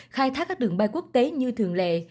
khai thác các đường bay quốc tế như thường lệ